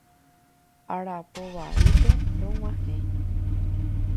Aravo vaípe rog̃uahẽ.